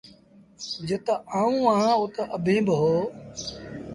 جِت آئوٚنٚ اهآنٚ اُت اڀيٚنٚ با هو۔